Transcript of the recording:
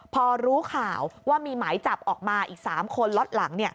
พอรู้ข่าวว่ามีหมายจับออกมาอีก๓คนล็อตหลัง